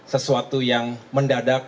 sesuatu yang mendadak